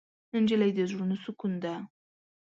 نجلۍ د زړونو سکون ده.